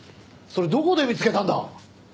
それどこで見つけたんだ？